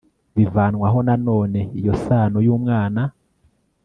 bivanwaho nanone iyo isano y umwana